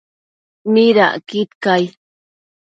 ¿midacquid cai ?